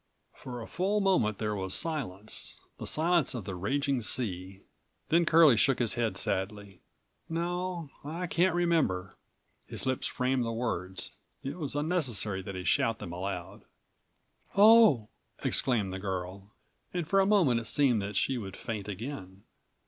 For a full moment there was silence, the silence of the raging sea. Then Curlie shook his head sadly. "No, I can't remember," his lips framed the words. It was unnecessary that he shout them aloud. "Oh!" exclaimed the girl, and for a moment it seemed that she would faint again.